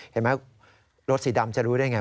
เห็นไหมรถสีดำจะรู้ได้อย่างไร